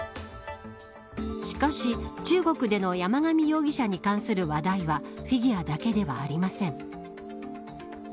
しかし中国での山上容疑者に関する話題はフィギュアだけではありません。